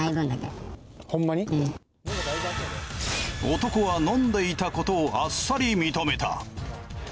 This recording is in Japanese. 男は飲んでいたことをあっさり認めた。